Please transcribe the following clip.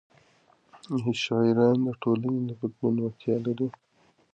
ايا شاعران د ټولنې د بدلون وړتیا لري؟